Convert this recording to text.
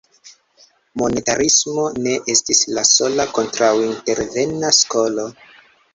Monetarismo ne estis la sola kontraŭintervena skolo.